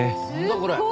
これ。